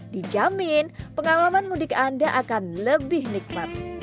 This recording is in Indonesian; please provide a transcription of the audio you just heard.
dijamin pengalaman mudik anda akan lebih nikmat